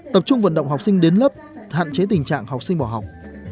tập trung vận động học sinh đến lớp hạn chế tình trạng học sinh bỏ học